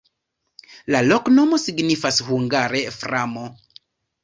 La loknomo signifas hungare: framo.